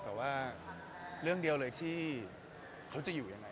แต่ว่าเรื่องเดียวเลยที่เขาจะอยู่ยังไง